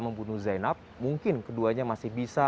membunuh zainab mungkin keduanya masih bisa